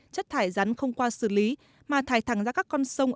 chất thải rắn không qua xử lý mà thải thẳng ra các con sông